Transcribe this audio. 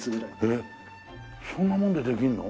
えっそんなもんでできるの？